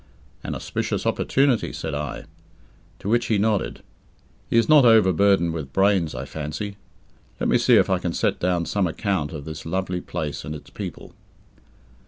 "An auspicious opportunity," said I. To which he nodded. He is not overburdened with brains, I fancy. Let me see if I can set down some account of this lovely place and its people.